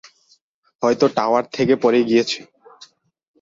হয়তো টাওয়ার থেকে পড়ে গিয়েছে।